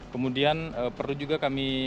kemudian perlu juga kami